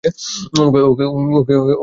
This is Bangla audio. ওকে উপরে টেনে তোলো।